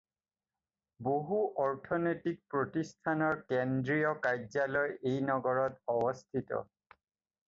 বহু অৰ্থনৈতিক প্ৰতিষ্ঠানৰ কেন্দ্ৰীয় কাৰ্যালয় এই নগৰত অৱস্থিত।